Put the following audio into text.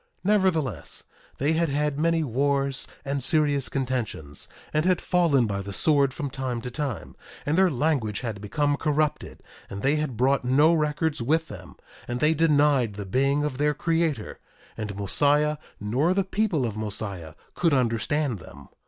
Nevertheless, they had had many wars and serious contentions, and had fallen by the sword from time to time; and their language had become corrupted; and they had brought no records with them; and they denied the being of their Creator; and Mosiah, nor the people of Mosiah, could understand them.